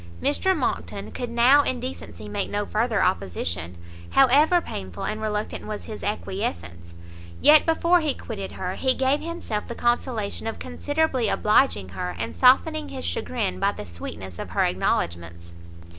Mr Monckton could now in decency make no further opposition, however painful and reluctant was his acquiescence; yet before he quitted her, he gave himself the consolation of considerably obliging her, and softened his chagrin by the sweetness of her acknowledgments.